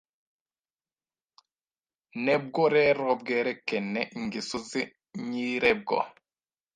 Ntebwo rero bwerekene ingeso ze nyirebwo